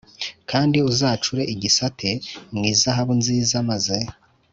Kandi uzacure igisate mu izahabu nziza maze